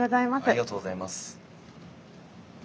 ありがとうございます。